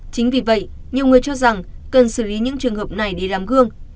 chính vì vậy nhiều người cho rằng cần xử lý những trường hợp này để làm gương